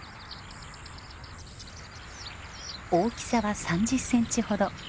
大きさは３０センチほど。